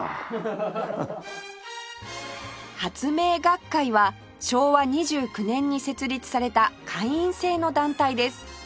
発明学会は昭和２９年に設立された会員制の団体です